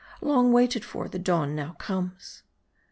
Long waited for, the dawn now comes.